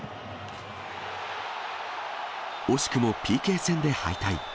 惜しくもＰＫ戦で敗退。